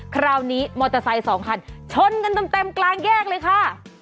คราวนี้มอเตอร์ไซค์สองคันชนกันเต็มกลางแยกเลยค่ะ